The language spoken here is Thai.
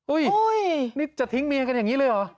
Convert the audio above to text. นี่จะทิ้งเมียกันอย่างนี้เลยเหรอ